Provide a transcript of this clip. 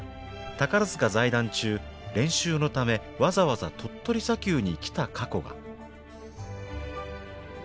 宝塚在団中練習のためわざわざ鳥取砂丘に来た過去が。